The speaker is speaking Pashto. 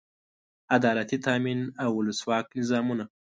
عدالتي تامین او اولسواکه نظامونه.